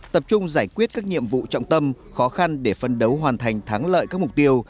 tập trung giải quyết các nhiệm vụ trọng tâm khó khăn để phân đấu hoàn thành thắng lợi các mục tiêu